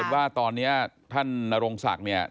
ว่าตอนนี้ท่านนรงศักดิ์เนี่ย